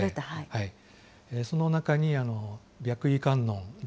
その中に白衣観音じ